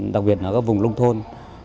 đặc biệt ở các vùng nông thôn